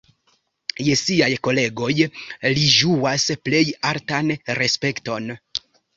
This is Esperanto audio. Je siaj kolegoj li ĝuas plej altan respekton.